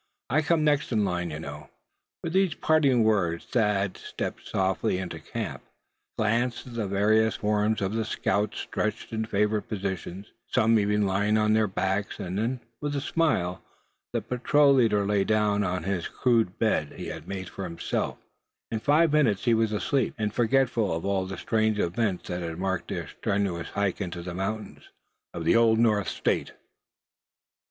I come next in line, you know." With these parting words Thad stepped softly into camp, glanced at the various forms of the scouts stretched in favorite positions, some even lying on their backs; and then with a smile the patrol leader lay down upon the rude bed he had made for himself, out of such material as offered. In five minutes he was asleep, and forgetful of all the strange events that had marked their strenuous hike into the mountains of the Old North State.